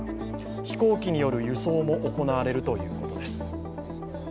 飛行機による輸送も行われるということです。